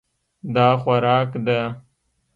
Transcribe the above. دا خوراک ده.